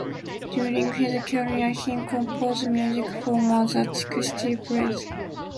During his career he composed music for more than sixty plays.